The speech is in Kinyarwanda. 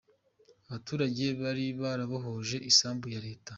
Abaturage bari barabohoje isambu ya Leta.